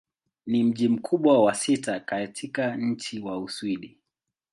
Ni mji mkubwa wa sita katika nchi wa Uswidi.